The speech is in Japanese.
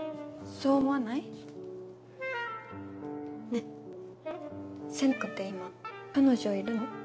そう思わない？ねぇ瀬那くんって今彼女いるの？